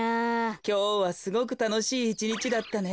きょうはすごくたのしいいちにちだったね。